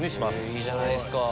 いいじゃないですか！